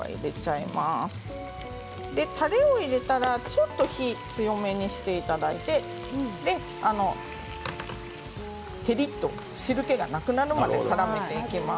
たれを入れたらちょっと火を強めにしていただいて照りっと汁けがなくなるまでからめていきます。